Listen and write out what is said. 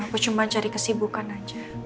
aku cuma cari kesibukan aja